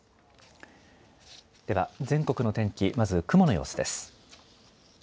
では全国の天気、まず雲の様子です。